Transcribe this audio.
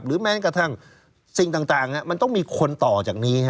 แม้กระทั่งสิ่งต่างมันต้องมีคนต่อจากนี้